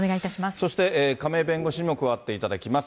そして亀井弁護士にも加わっていただきます。